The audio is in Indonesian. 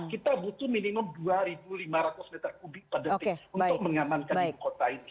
kita butuh minimum dua lima ratus m tiga per detik untuk mengamankan kota ini